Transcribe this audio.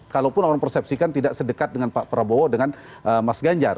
kalaupun orang persepsikan tidak sedekat dengan pak prabowo dengan mas ganjar